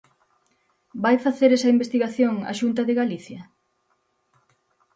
¿Vai facer esa investigación a Xunta de Galicia?